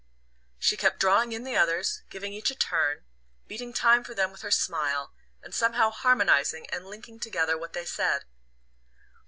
She kept drawing in the others, giving each a turn, beating time for them with her smile, and somehow harmonizing and linking together what they said.